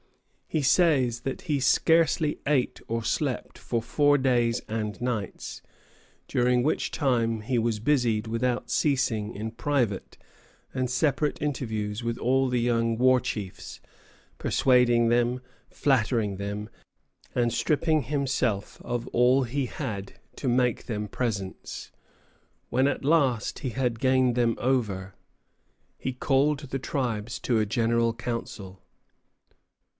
He says that he scarcely ate or slept for four days and nights, during which time he was busied without ceasing in private and separate interviews with all the young war chiefs, persuading them, flattering them, and stripping himself of all he had to make them presents. When at last he had gained them over, he called the tribes to a general council.